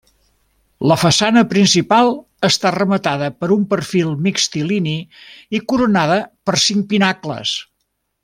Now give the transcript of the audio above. La façana principal està rematada per un perfil mixtilini, i coronada per cinc pinacles.